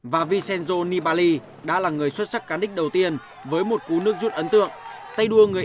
và vincenzo nibali đã là người xuất sắc cán đích đầu tiên với một cú nước rút ấn tượng